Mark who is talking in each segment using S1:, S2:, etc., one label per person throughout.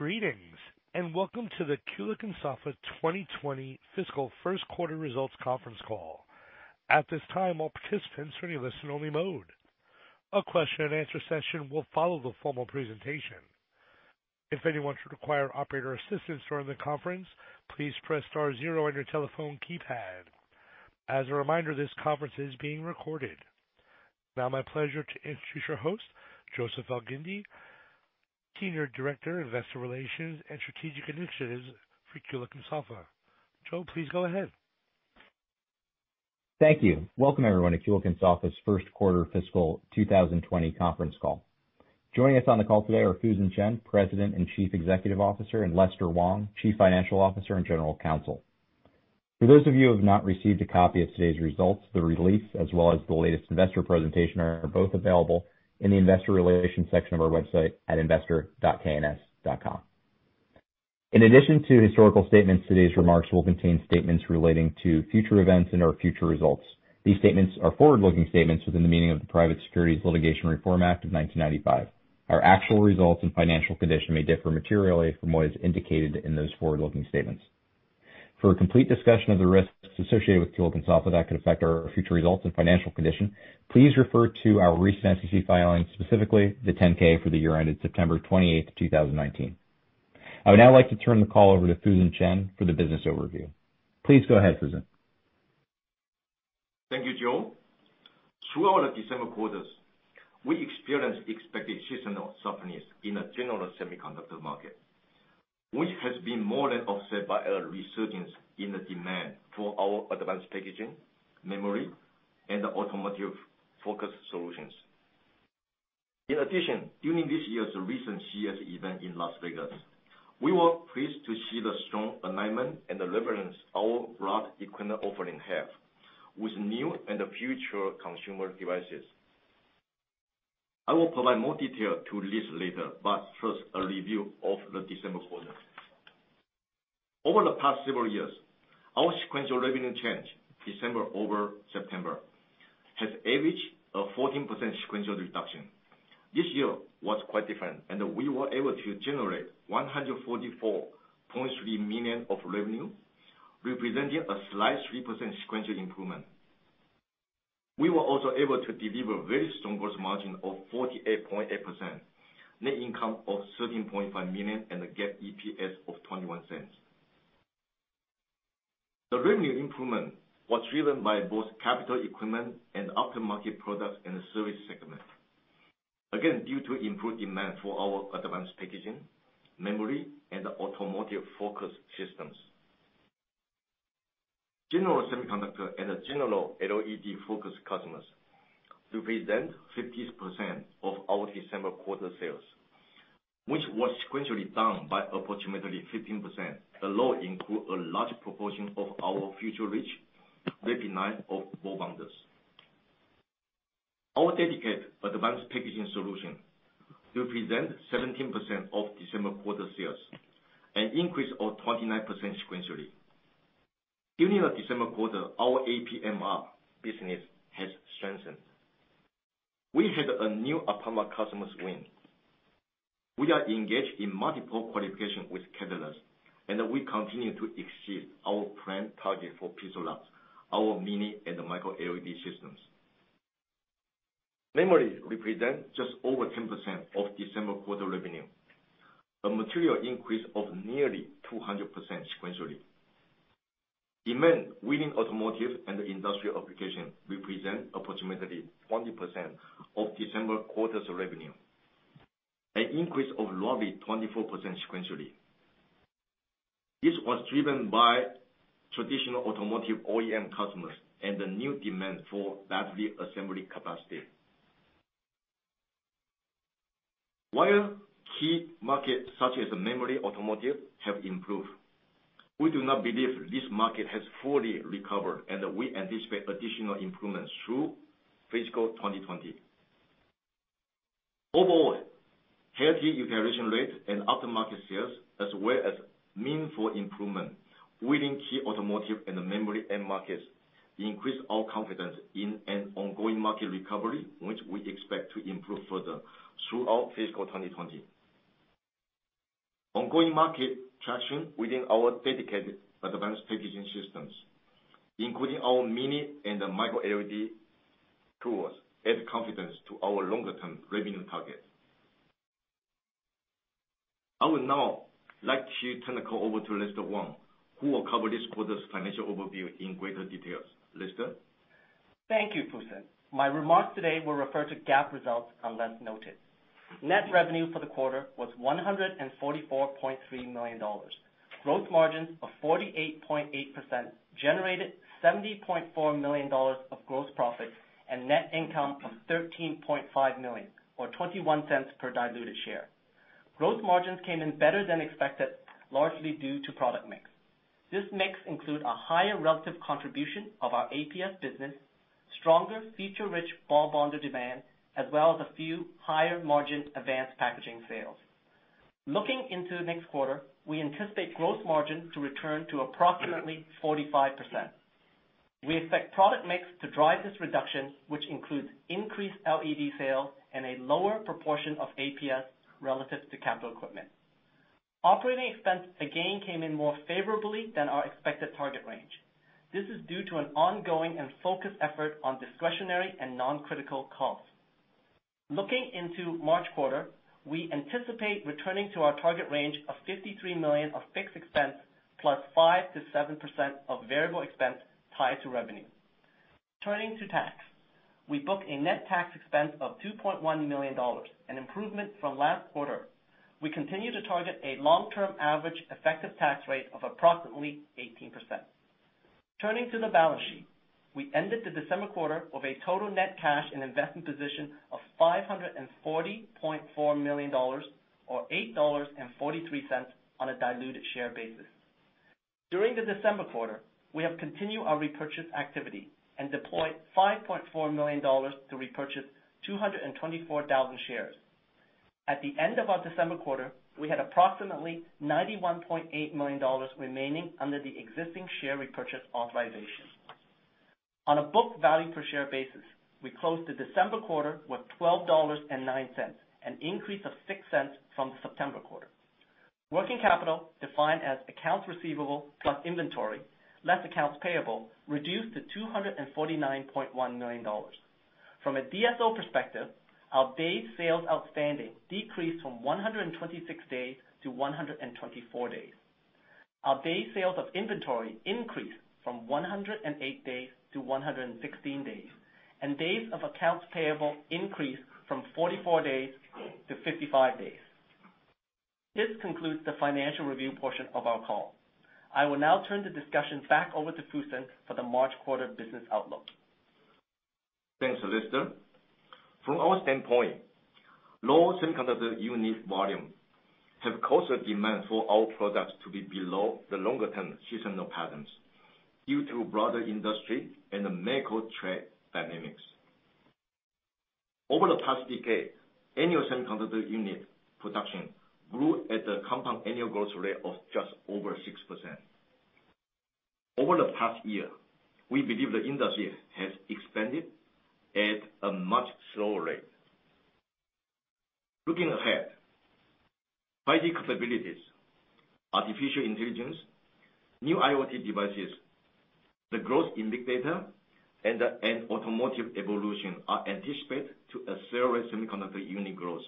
S1: Greetings, and welcome to the Kulicke and Soffa 2020 fiscal first quarter results conference call. At this time, all participants are in listen-only mode. A question and answer session will follow the formal presentation. If anyone should require operator assistance during the conference, please press star zero on your telephone keypad. As a reminder, this conference is being recorded. Now, my pleasure to introduce your host, Joseph Elgindy, Senior Director of Investor Relations and Strategic Initiatives for Kulicke and Soffa. Joe, please go ahead.
S2: Thank you. Welcome, everyone, to Kulicke and Soffa's first quarter fiscal 2020 conference call. Joining us on the call today are Fusen Chen, President and Chief Executive Officer, and Lester Wong, Chief Financial Officer and General Counsel. For those of you who have not received a copy of today's results, the release, as well as the latest investor presentation, are both available in the investor relations section of our website at investor.kns.com. In addition to historical statements, today's remarks will contain statements relating to future events and/or future results. These statements are forward-looking statements within the meaning of the Private Securities Litigation Reform Act of 1995. Our actual results and financial condition may differ materially from what is indicated in those forward-looking statements. For a complete discussion of the risks associated with Kulicke and Soffa that could affect our future results and financial condition, please refer to our recent SEC filings, specifically the 10-K for the year ended September 28th, 2019. I would now like to turn the call over to Fusen Chen for the business overview. Please go ahead, Fusen.
S3: Thank you, Joe. Throughout the December quarters, we experienced expected seasonal softness in the general semiconductor market, which has been more than offset by a resurgence in the demand for our advanced packaging, memory, and automotive-focused solutions. In addition, during this year's recent CES event in Las Vegas, we were pleased to see the strong alignment and the relevance our broad equipment offering have with new and the future consumer devices. I will provide more detail to this later, but first, a review of the December quarter. Over the past several years, our sequential revenue change, December over September, has averaged a 14% sequential reduction. This year was quite different, and we were able to generate $144.3 million of revenue, representing a slight 3% sequential improvement. We were also able to deliver very strong gross margin of 48.8%, net income of $13.5 million, and a GAAP EPS of $0.21. The revenue improvement was driven by both capital equipment and aftermarket products in the service segment. Due to improved demand for our advanced packaging, memory, and automotive-focused systems. General semiconductor and general LED-focused customers represent 50% of our December quarter sales, which was sequentially down by approximately 15%. The low includes a large proportion of our future-rich revenue of bonders. Our dedicated advanced packaging solution represents 17% of December quarter sales, an increase of 29% sequentially. During the December quarter, our APMR business has strengthened. We had a new APMR customers win. We are engaged in multiple qualifications with candidates, and we continue to exceed our planned target for PIXALUX, our mini and micro LED systems. Memory represents just over 10% of December quarter revenue, a material increase of nearly 200% sequentially. Demand within automotive and industrial application represents approximately 20% of December quarter's revenue, an increase of roughly 24% sequentially. This was driven by traditional automotive OEM customers and the new demand for battery assembly capacity. While key markets such as memory automotive have improved, we do not believe this market has fully recovered, and we anticipate additional improvements through fiscal 2020. Overall, healthy utilization rates and aftermarket sales, as well as meaningful improvement within key automotive and memory end markets, increase our confidence in an ongoing market recovery, which we expect to improve further throughout fiscal 2020. Ongoing market traction within our dedicated advanced packaging systems, including our mini and micro LED tools, add confidence to our longer-term revenue targets. I would now like to turn the call over to Lester Wong, who will cover this quarter's financial overview in greater detail. Lester?
S4: Thank you, Fusen. My remarks today will refer to GAAP results unless noted. Net revenue for the quarter was $144.3 million. Gross margins of 48.8% generated $70.4 million of gross profit and net income of $13.5 million or $0.21 per diluted share. Gross margins came in better than expected, largely due to product mix. This mix includes a higher relative contribution of our APS business, stronger feature-rich ball bonder demand, as well as a few higher-margin advanced packaging sales. Looking into next quarter, we anticipate gross margin to return to approximately 45%. We expect product mix to drive this reduction, which includes increased LED sales and a lower proportion of APS relative to capital equipment. Operating expense again came in more favorably than our expected target range. This is due to an ongoing and focused effort on discretionary and non-critical costs. Looking into March quarter, we anticipate returning to our target range of $53 million of fixed expense, plus 5%-7% of variable expense tied to revenue. Turning to tax, we book a net tax expense of $2.1 million, an improvement from last quarter. We continue to target a long-term average effective tax rate of approximately 18%. Turning to the balance sheet, we ended the December quarter with a total net cash and investment position of $540.4 million or $8.43 on a diluted share basis. During the December quarter, we have continued our repurchase activity and deployed $5.4 million to repurchase 224,000 shares. At the end of our December quarter, we had approximately $91.8 million remaining under the existing share repurchase authorization. On a book value per share basis, we closed the December quarter with $12.09, an increase of $0.06 from the September quarter. Working capital defined as accounts receivable plus inventory, less accounts payable, reduced to $249.1 million. From a DSO perspective, our days sales outstanding decreased from 126 days to 124 days. Our days sales of inventory increased from 108 days to 116 days, and days of accounts payable increased from 44 days to 55 days. This concludes the financial review portion of our call. I will now turn the discussion back over to Fusen for the March quarter business outlook.
S3: Thanks, Lester. From our standpoint, low semiconductor unit volume have caused the demand for our products to be below the longer-term seasonal patterns due to broader industry and macro trade dynamics. Over the past decade, annual semiconductor unit production grew at a compound annual growth rate of just over 6%. Over the past year, we believe the industry has expanded at a much slower rate. Looking ahead, 5G capabilities, artificial intelligence, new IoT devices, the growth in big data, and automotive evolution are anticipated to accelerate semiconductor unit growth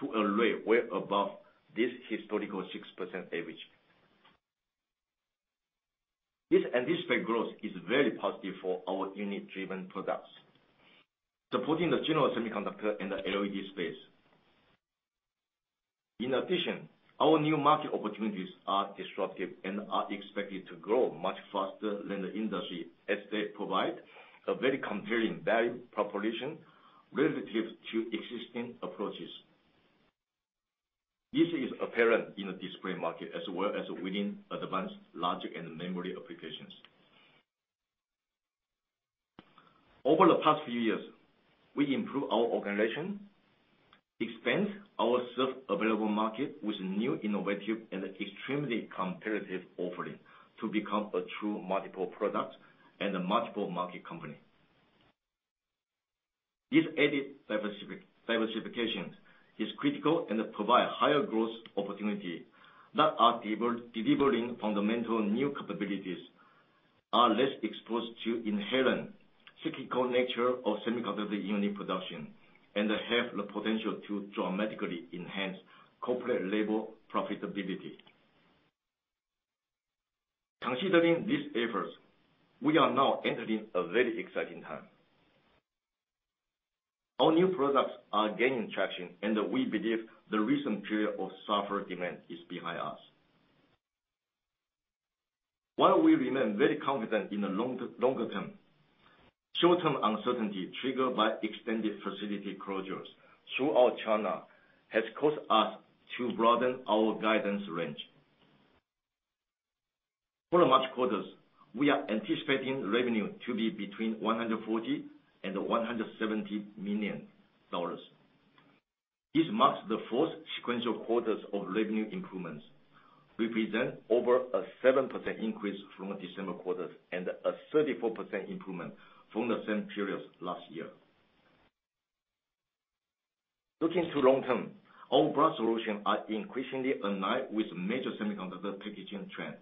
S3: to a rate well above this historical 6% average. This anticipated growth is very positive for our unit-driven products, supporting the general semiconductor and the LED space. In addition, our new market opportunities are disruptive and are expected to grow much faster than the industry as they provide a very compelling value proposition relative to existing approaches. This is apparent in the display market as well as within advanced logic and memory applications. Over the past few years, we improved our organization, expanded our available market with new, innovative, and extremely competitive offerings to become a true multiple product and a multiple market company. This added diversification is critical and provide higher growth opportunity that are delivering fundamental new capabilities, are less exposed to inherent cyclical nature of semiconductor unit production, and have the potential to dramatically enhance corporate-level profitability. Considering these efforts, we are now entering a very exciting time. Our new products are gaining traction, and we believe the recent period of softer demand is behind us. While we remain very confident in the longer term, short-term uncertainty triggered by extended facility closures throughout China has caused us to broaden our guidance range. For the March quarters, we are anticipating revenue to be between $140 million and $170 million. This marks the fourth sequential quarters of revenue improvements, represent over a 7% increase from the December quarters, and a 34% improvement from the same period last year. Looking to long term, our broad solutions are increasingly aligned with major semiconductor packaging trends,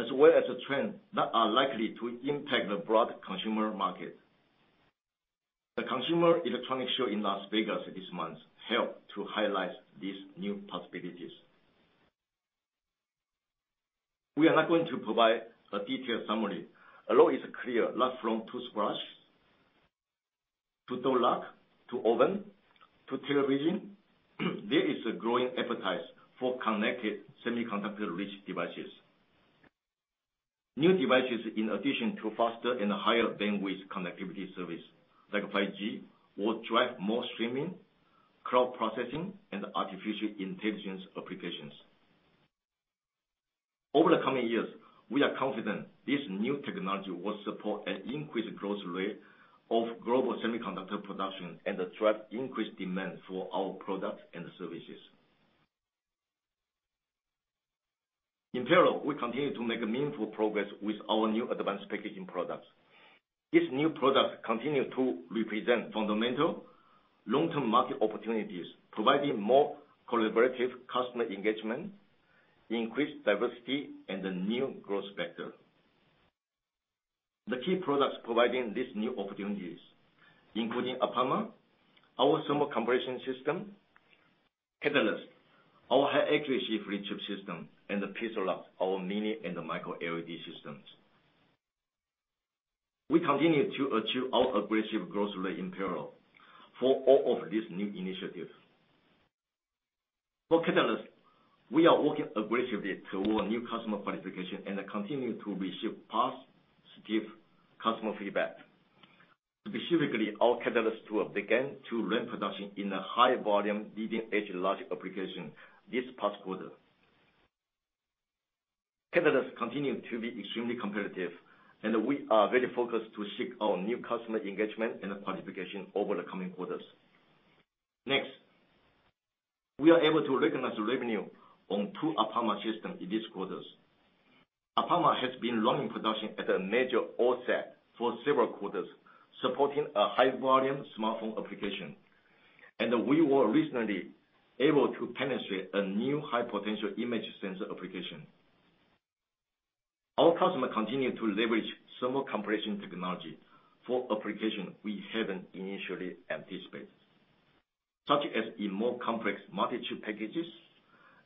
S3: as well as trends that are likely to impact the broad consumer market. The Consumer Electronics Show in Las Vegas this month helped to highlight these new possibilities. We are not going to provide a detailed summary, although it's clear that from toothbrush to door lock to oven to television, there is a growing appetite for connected semiconductor-rich devices. New devices, in addition to faster and higher bandwidth connectivity service like 5G, will drive more streaming, cloud processing, and artificial intelligence applications. Over the coming years, we are confident this new technology will support an increased growth rate of global semiconductor production and attract increased demand for our products and services. We continue to make meaningful progress with our new advanced packaging products. These new products continue to represent fundamental long-term market opportunities, providing more collaborative customer engagement, increased diversity, and a new growth vector. The key products providing these new opportunities including APAMA, our thermo-compression system, Katalyst, our high-accuracy flip chip system, and the PIXALUX, our mini and micro LED systems. We continue to achieve our aggressive growth rate in parallel for all of these new initiatives. For Katalyst, we are working aggressively toward new customer qualification and continue to receive positive customer feedback. Our Katalyst tool began to ramp production in a high volume leading-edge logic application this past quarter. Katalyst continues to be extremely competitive, and we are very focused to seek our new customer engagement and qualification over the coming quarters. Next, we are able to recognize the revenue on two APAMA systems in this quarter. APAMA has been running production at a major OSAT for several quarters, supporting a high-volume smartphone application, and we were recently able to penetrate a new high-potential image sensor application. Our customer continue to leverage thermal compression technology for applications we haven't initially anticipated, such as in more complex multi-chip packages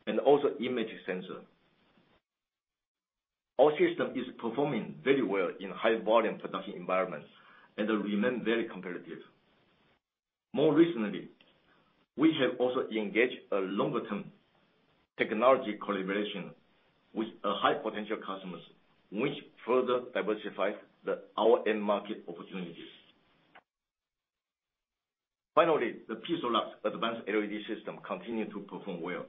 S3: and also image sensor. Our system is performing very well in high-volume production environments and remains very competitive. More recently, we have also engaged a longer-term technology collaboration with high potential customers, which further diversifies our end market opportunities. Finally, the PIXALUX advanced LED system continued to perform well,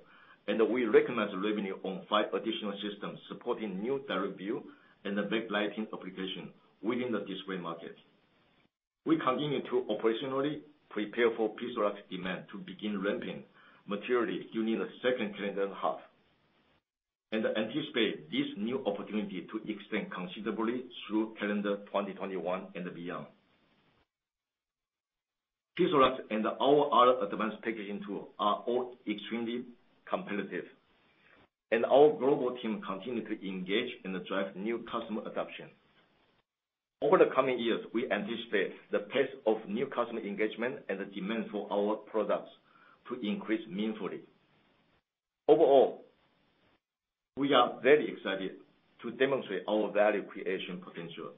S3: and we recognize the revenue on five additional systems supporting new direct view and the backlighting application within the display market. We continue to operationally prepare for PIXALUX demand to begin ramping materially during the second calendar half and anticipate this new opportunity to extend considerably through calendar 2021 and beyond. PIXALUX and our other advanced packaging tools are all extremely competitive, and our global team continue to engage and drive new customer adoption. Over the coming years, we anticipate the pace of new customer engagement and the demand for our products to increase meaningfully. Overall, we are very excited to demonstrate our value creation potential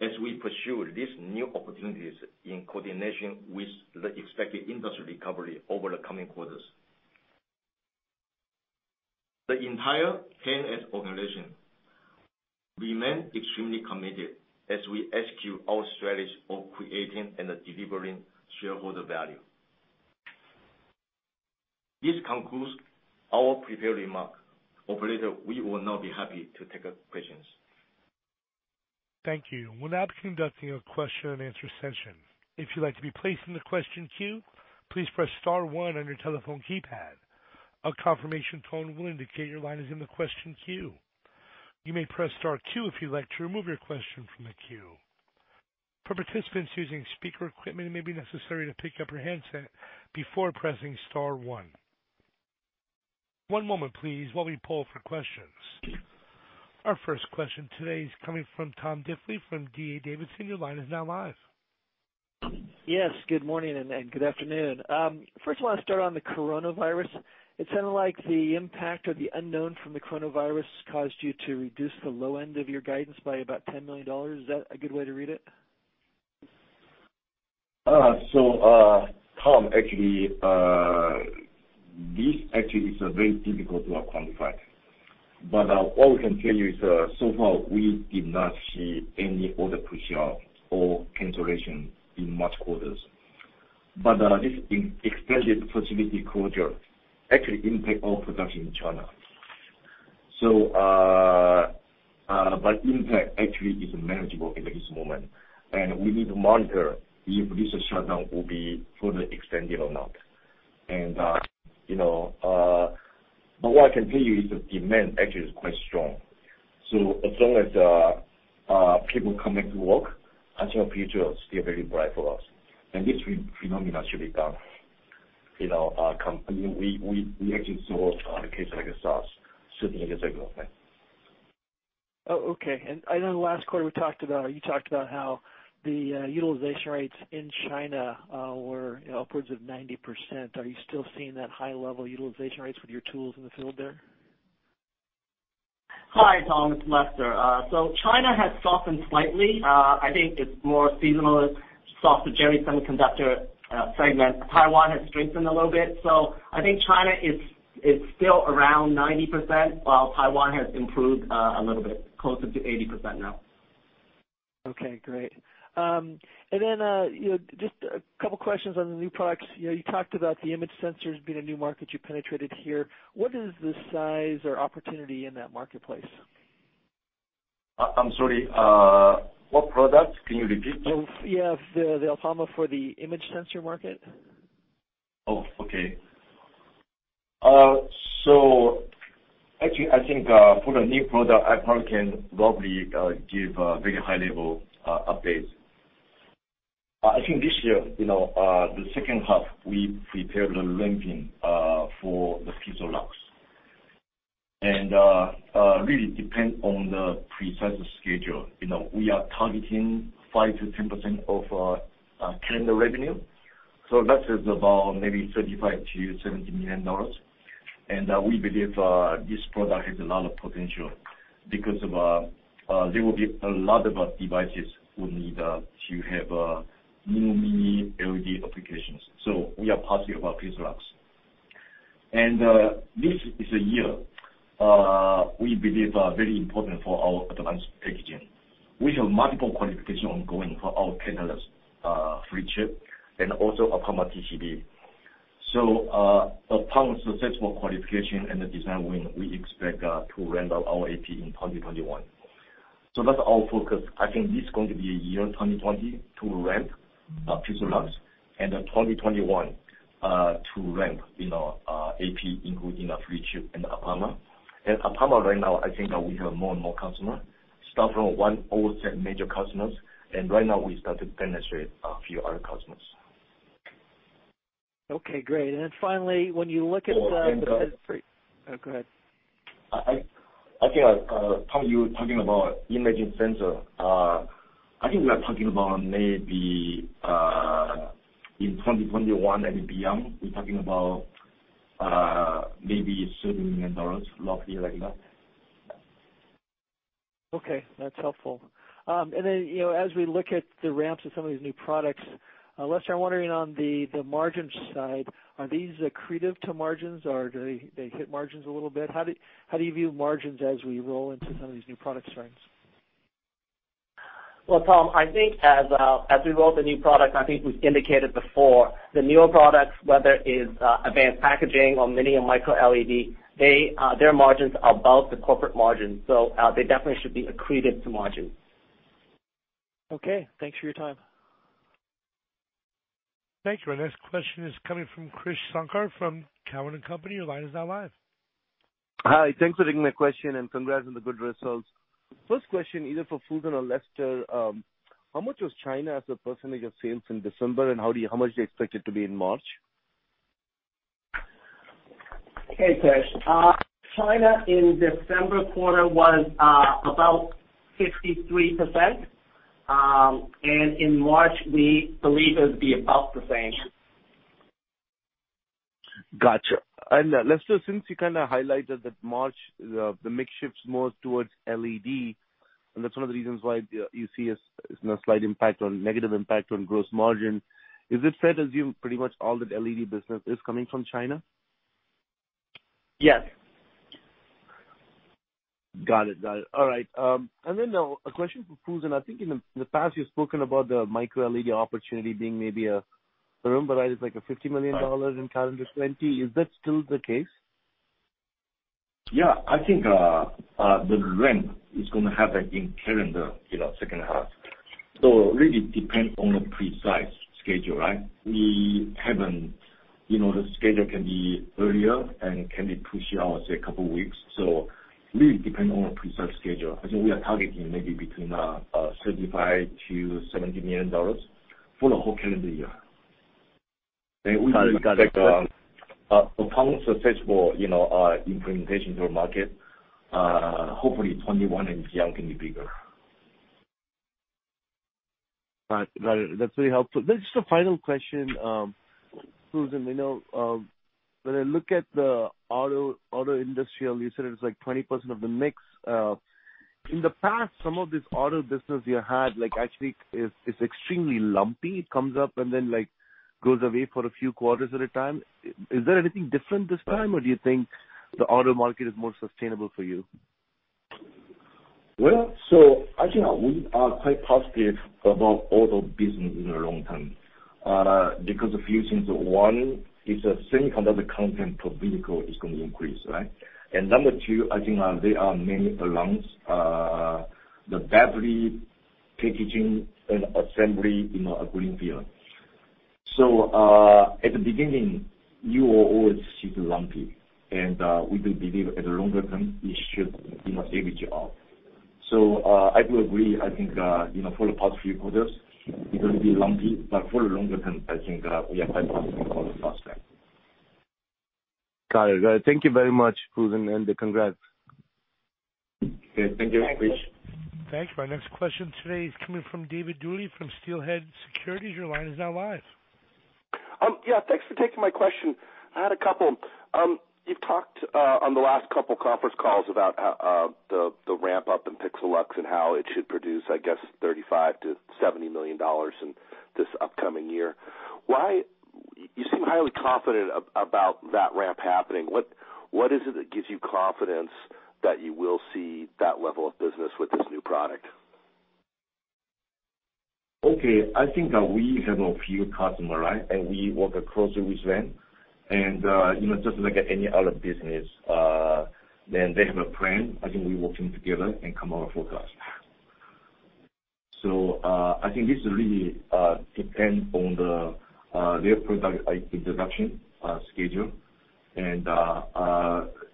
S3: as we pursue these new opportunities in coordination with the expected industry recovery over the coming quarters. The entire K&S organization remains extremely committed as we execute our strategy of creating and delivering shareholder value. This concludes our prepared remarks. Operator, we will now be happy to take questions.
S1: Thank you. We'll now be conducting a question and answer session. If you'd like to be placed in the question queue, please press star one on your telephone keypad. A confirmation tone will indicate your line is in the question queue. You may press star two if you'd like to remove your question from the queue. For participants using speaker equipment, it may be necessary to pick up your handset before pressing star one. One moment please, while we poll for questions. Our first question today is coming from Tom Diffely from D.A. Davidson. Your line is now live.
S5: Yes. Good morning and good afternoon. First I want to start on the coronavirus. It sounded like the impact or the unknown from the coronavirus caused you to reduce the low end of your guidance by about $10 million. Is that a good way to read it?
S3: Tom, actually, this actually is very difficult to quantify. What we can tell you is, so far, we did not see any order push out or cancellation in March quarters. This extended facility closure actually impact all production in China. Impact actually is manageable at this moment, and we need to monitor if this shutdown will be further extended or not. What I can tell you is the demand actually is quite strong. As long as people come back to work, I think our future is still very bright for us. This phenomenon should be done. We actually saw a case like a SARS sitting in the same room.
S5: Oh, okay. I know the last quarter you talked about how the utilization rates in China were upwards of 90%. Are you still seeing that high level of utilization rates with your tools in the field there?
S4: Hi, Tom, it's Lester. China has softened slightly. I think it's more seasonal, soft to semiconductor segment. Taiwan has strengthened a little bit. I think China is still around 90%, while Taiwan has improved a little bit, closer to 80% now.
S5: Okay, great. Just a couple of questions on the new products. You talked about the image sensors being a new market you penetrated here. What is the size or opportunity in that marketplace?
S3: I'm sorry. What product? Can you repeat?
S5: Yeah. The APAMA for the image sensor market.
S3: Okay. Actually, I think, for the new product, I probably can roughly give a very high-level update. I think this year, the second half, we prepared the ramping for the PIXALUX. Really depends on the precise schedule. We are targeting 5%-10% of calendar revenue, that is about maybe $35 million-$70 million. We believe this product has a lot of potential because there will be a lot of devices will need to have new Mini LED applications. We are positive about PIXALUX. This is a year we believe very important for our advanced packaging. We have multiple qualification ongoing for our Katalyst, III-V chip, and also APAMA TCB. Upon successful qualification and the design win, we expect to ramp up our AP in 2021. That's our focus. I think this is going to be a year, 2020, to ramp PIXALUX, and then 2021 to ramp AP, including III-V chip and APAMA. APAMA right now, I think that we have more and more customer, start from one old major customers, and right now we start to demonstrate a few other customers.
S5: Okay, great. Finally, when you look at the.
S3: Tom-
S5: Oh, go ahead.
S3: I think, Tom, you were talking about imaging sensor. I think we are talking about maybe in 2021 and beyond, we're talking about maybe $30 million, roughly like that.
S5: Okay, that's helpful. As we look at the ramps of some of these new products, Lester, I'm wondering on the margin side, are these accretive to margins, or do they hit margins a little bit? How do you view margins as we roll into some of these new product strengths?
S4: Well, Tom, I think as we roll the new product, I think we've indicated before the new products, whether is advanced packaging or mini and micro LED, their margins are above the corporate margin, so they definitely should be accretive to margins.
S5: Okay, thanks for your time.
S1: Thank you. Our next question is coming from Krish Sankar from Cowen and Company. Your line is now live.
S6: Hi. Thanks for taking my question. Congrats on the good results. First question either for Fusen or Lester, how much was China as a percentage of sales in December, and how much do you expect it to be in March?
S4: Hey, Krish. China in December quarter was about 63%, and in March, we believe it would be about the same.
S6: Got you. Lester, since you kind of highlighted that March, the mix shifts more towards LED, and that's one of the reasons why you see a slight negative impact on gross margin. Is it fair to assume pretty much all that LED business is coming from China?
S4: Yes.
S6: Got it. All right. Then a question for Fusen. I think in the past, you've spoken about the micro LED opportunity being maybe, if I remember right, it's like a $50 million in calendar 2020. Is that still the case?
S3: Yeah. I think the ramp is going to happen in calendar second half. Really depends on the precise schedule, right? The schedule can be earlier and can be pushed out, say, a couple of weeks. Really depend on a precise schedule. I think we are targeting maybe between $35 million-$70 million for the whole calendar year.
S6: Got it.
S3: Upon successful implementation to our market, hopefully 2021 and beyond can be bigger.
S6: Got it. That's really helpful. Just a final question, Fusen, when I look at the auto industrial, you said it was like 20% of the mix. In the past, some of this auto business you had, actually is extremely lumpy. It comes up and then goes away for a few quarters at a time. Is there anything different this time, or do you think the auto market is more sustainable for you?
S3: Actually, we are quite positive about auto business in the long term because a few things. One, is the same kind of the content per vehicle is going to increase, right? Number two, I think there are many [OEMs], the battery packaging and assembly in a green field. At the beginning, you will always see the lumpy, and we do believe at the longer term, it should average out. I do agree, I think, for the past few quarters, it will be lumpy, but for the longer term, I think we are quite positive for the prospect.
S6: Got it. Thank you very much, Fusen, and congrats.
S3: Okay. Thank you, Krish.
S4: Thank you.
S1: Thank you. Our next question today is coming from David Duley from Steelhead Securities. Your line is now live.
S7: Yeah, thanks for taking my question. I had a couple. You've talked on the last couple conference calls about the ramp-up in PIXALUX and how it should produce, I guess, $35 million-$70 million in this upcoming year. You seem highly confident about that ramp happening. What is it that gives you confidence that you will see that level of business with this new product?
S3: Okay. I think that we have a few customers, and we work closely with them, and just like any other business, they have a plan. I think we're working together and come out with forecasts. I think this really depends on their product introduction schedule, and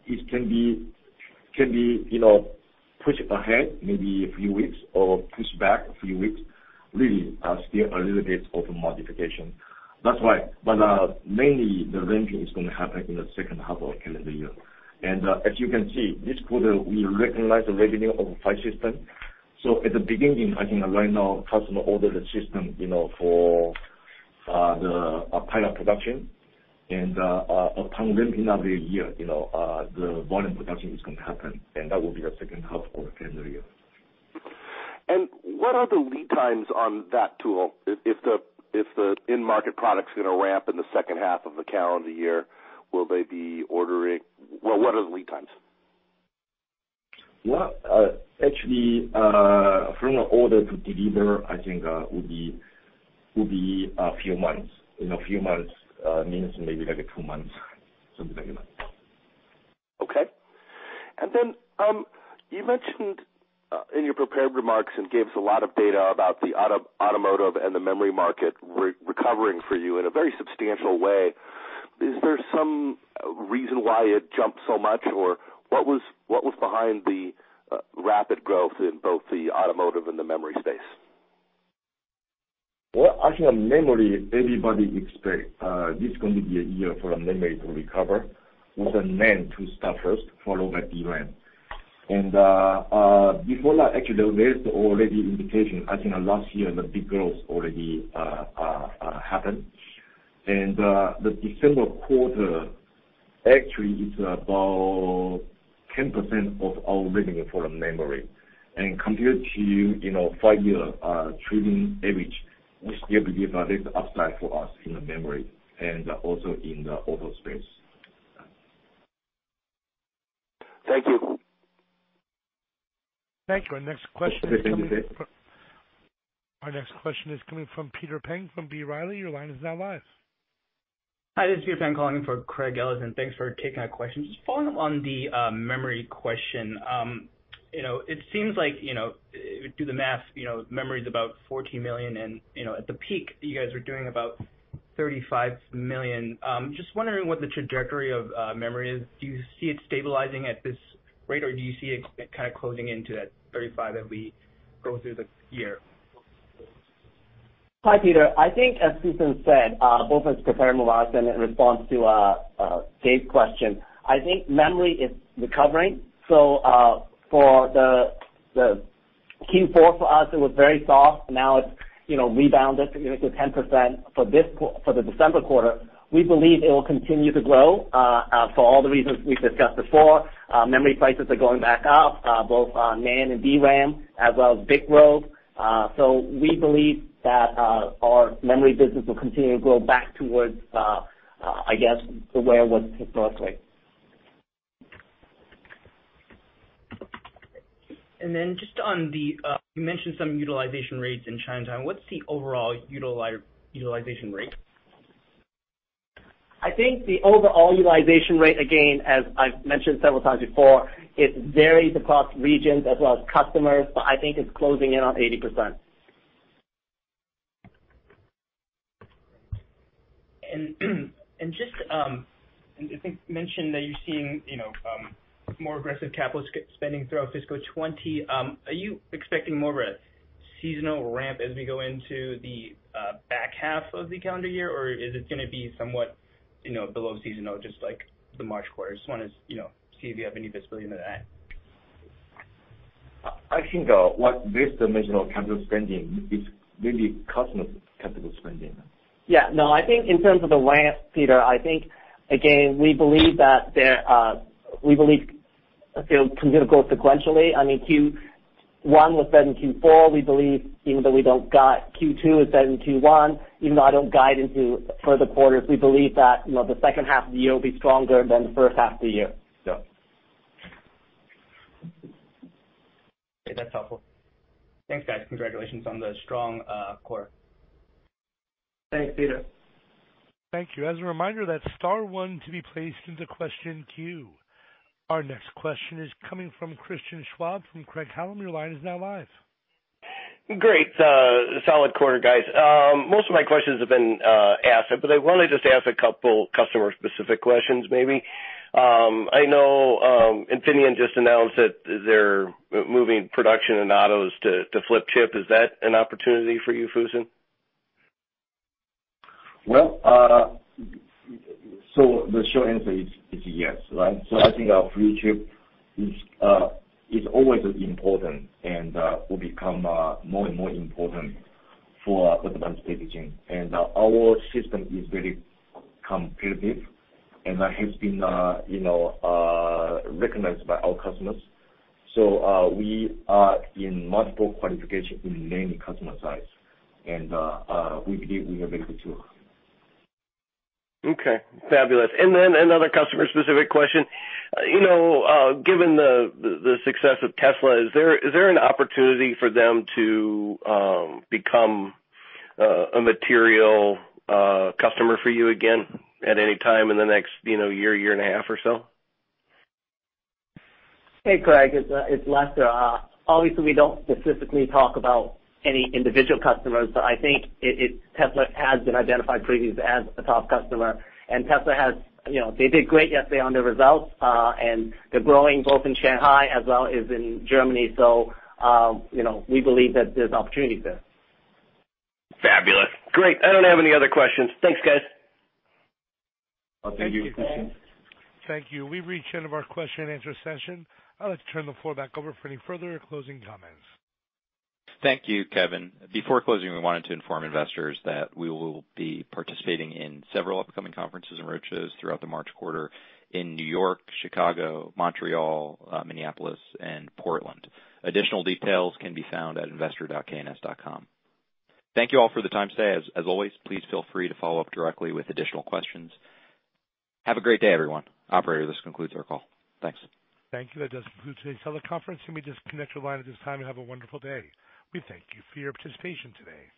S3: it can be pushed ahead maybe a few weeks or pushed back a few weeks, really, still a little bit open to modification. That's why. Mainly the ramping is going to happen in the second half of calendar year. As you can see, this quarter, we recognize the revenue of five systems. At the beginning, I think right now, customer order the system for the pilot production and upon ramping every year, the volume production is going to happen, and that will be the second half of the calendar year.
S7: What are the lead times on that tool? If the end market product's going to ramp in the second half of the calendar year, what are the lead times?
S3: Well, actually, from order to deliver, I think would be a few months, minimum maybe like two months, something like that.
S7: Okay. You mentioned in your prepared remarks and gave us a lot of data about the automotive and the memory market recovering for you in a very substantial way. Is there some reason why it jumped so much? What was behind the rapid growth in both the automotive and the memory space?
S3: Well, actually, on memory, everybody expect this is going to be a year for memory to recover, with NAND to start first, followed by DRAM. Before that, actually, there is already indication, I think last year, the big growth already happened. The December quarter actually is about 10% of our revenue for the memory. Compared to five-year trailing average, we still believe there's upside for us in the memory and also in the auto space.
S7: Thank you.
S1: Thank you. Our next question is coming from-
S3: Thank you, David.
S1: Our next question is coming from Peter Peng from B. Riley. Your line is now live.
S8: Hi, this is Peter Peng calling in for Craig Ellis, and thanks for taking our question. Just following up on the memory question. It seems like, do the math, memory is about $14 million, and at the peak, you guys were doing about $35 million. Just wondering what the trajectory of memory is. Do you see it stabilizing at this rate, or do you see it kind of closing into that $35 million as we go through the year?
S4: Hi, Peter. I think as Fusen said, both in his prepared remarks and in response to David's question, I think memory is recovering. For the Q4 for us, it was very soft. Now it's rebounded significantly 10% for the December quarter. We believe it will continue to grow for all the reasons we've discussed before. Memory prices are going back up, both on NAND and DRAM as well as [BiCS role]. We believe that our memory business will continue to grow back towards, I guess, where it was historically.
S8: You mentioned some utilization rates in Changchun. What's the overall utilization rate?
S4: I think the overall utilization rate, again, as I've mentioned several times before, it varies across regions as well as customers, but I think it's closing in on 80%.
S8: Just, I think you mentioned that you're seeing more aggressive capital spending throughout fiscal 2020. Are you expecting more of a seasonal ramp as we go into the back half of the calendar year, or is it going to be somewhat below seasonal, just like the March quarter? I just want to see if you have any visibility into that.
S3: I think what this dimensional capital spending is really customer capital spending.
S4: Yeah. No, I think in terms of the ramp, Peter, I think, again, we believe it will continue to grow sequentially. I mean, Q1 was better than Q4. We believe even though we don't guide Q2 is better than Q1. Even though I don't guide into further quarters, we believe that the second half of the year will be stronger than the first half of the year.
S8: Okay. That's helpful. Thanks, guys. Congratulations on the strong quarter.
S4: Thanks, Peter.
S1: Thank you. As a reminder, that's star one to be placed into question queue. Our next question is coming from Christian Schwab from Craig-Hallum. Your line is now live.
S9: Great. Solid quarter, guys. Most of my questions have been asked. I want to just ask a couple customer-specific questions maybe. I know Infineon just announced that they're moving production in autos to flip chip. Is that an opportunity for you, Fusen?
S3: Well, the short answer is yes. I think our flip chip is always important and will become more and more important for advanced packaging. Our system is very competitive, and that has been recognized by our customers. We are in multiple qualifications in many customer sites, and we believe we are very good, too.
S9: Okay, fabulous. Another customer-specific question. Given the success of Tesla, is there an opportunity for them to become a material customer for you again at any time in the next year and a half or so?
S4: Hey, Craig. It's Lester. Obviously, we don't specifically talk about any individual customers, but I think Tesla has been identified previously as a top customer, and Tesla did great yesterday on their results, and they're growing both in Shanghai as well as in Germany. We believe that there's opportunities there.
S9: Fabulous. Great. I don't have any other questions. Thanks, guys.
S3: Thank you, Christian.
S1: Thank you. We've reached the end of our question and answer session. I'd like to turn the floor back over for any further closing comments.
S2: Thank you, Kevin. Before closing, we wanted to inform investors that we will be participating in several upcoming conferences and roadshows throughout the March quarter in New York, Chicago, Montreal, Minneapolis, and Portland. Additional details can be found at investor.kns.com. Thank you all for the time today. As always, please feel free to follow up directly with additional questions. Have a great day, everyone. Operator, this concludes our call. Thanks.
S1: Thank you. That does conclude today's teleconference. You may disconnect your line at this time and have a wonderful day. We thank you for your participation today.